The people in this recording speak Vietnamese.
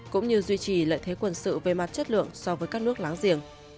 cũng như duy trì lợi thế quân sự về mặt chất lượng so với các nước láng giềng